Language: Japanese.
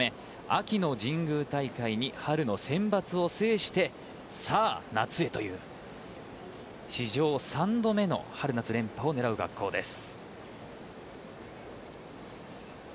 秋の神宮大会に春のセンバツを制してさあ夏へという史上３度目の春夏連覇を狙う学校です。